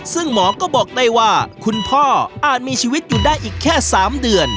ซึ่งหมอก็บอกได้ว่าคุณพ่ออาจมีชีวิตอยู่ได้อีกแค่๓เดือน